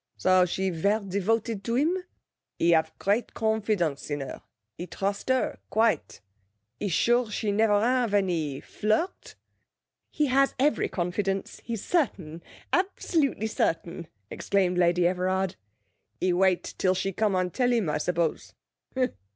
'So she ver' devoted to him? He have great confidence in her; he trust her quite; he sure she never have any flirt?' 'He has every confidence; he's certain, absolutely certain!' exclaimed Lady Everard. 'He wait till she come and tell him, I suppose.